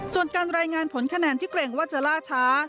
ส่วนการรายงานผลคะแนนที่เกรงว่าจะล่าช้า